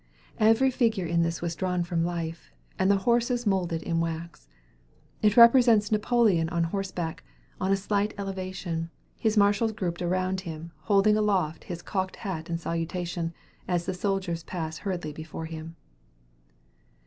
Every figure in this was drawn from life, and the horses moulded in wax. It represents Napoleon on horseback, on a slight elevation, his marshals grouped around him, holding aloft his cocked hat in salutation, as the soldiers pass hurriedly before him.